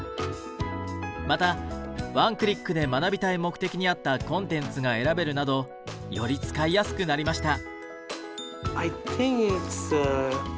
またワンクリックで学びたい目的に合ったコンテンツが選べるなどより使いやすくなりました。